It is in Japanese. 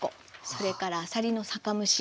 それからあさりの酒蒸し。